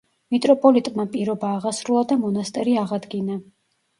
მიტროპოლიტმა პირობა აღასრულა და მონასტერი აღადგინა.